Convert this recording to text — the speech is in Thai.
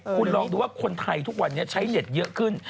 คุณลองดูว่าคนไทยทุกวันนี้ใช้เห็ดเยอะขึ้น